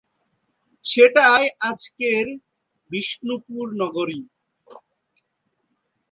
সেটাই আজকের বিষ্ণুপুর নগরী।